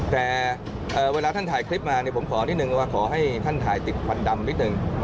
แต่เวลาท่านถ่ายคลิปมาเนี่ยผมขอนิดนึงว่าขอให้ท่านถ่ายติดควันดำนิดนึง